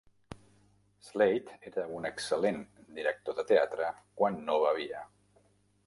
Slade era un excel·lent director de teatre quan no bevia.